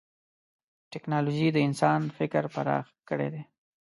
ټکنالوجي د انسان فکر پراخ کړی دی.